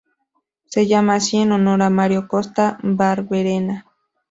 Se llama así en honor de Mário Costa Barberena.